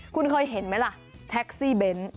คุณเคยเห็นไหมล่ะแท็กซี่เบนท์